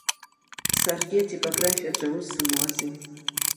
Саргьы атипографиаҿы аус сымуази.